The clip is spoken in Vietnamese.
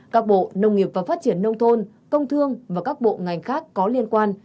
các bộ nông nghiệp và phát triển nông thôn công thương và các bộ ngành khác có liên quan